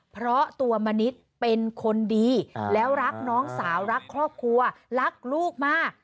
เพราะตัวมณิษฐ์เป็นคนดีแล้วรักน้องสาวรักครอบครัวรักลูกมาก